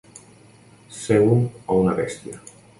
Ser un o una bèstia.